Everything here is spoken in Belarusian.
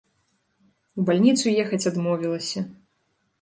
У бальніцу ехаць адмовілася.